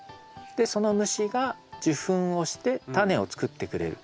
でその虫が受粉をしてタネをつくってくれる。